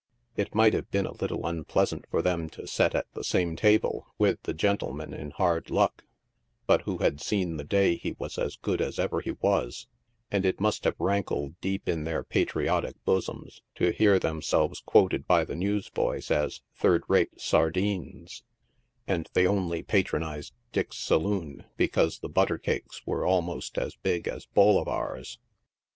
It might have been a little un pleasant for them to set at the same table v\ ith the gentleman in hard luck, but who had seen the day he was as good as ever he was ; and it must have rankled deep in their patriotic bosoms to hear themselves quoted by the newsboys as third rate " sardines," and they only patronized Dick's saloon because the butter cakes were almost as big as bolivars.